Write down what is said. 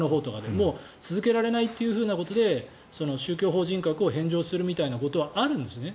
もう続けられないということで宗教法人格を返上するみたいなことはあるんですね。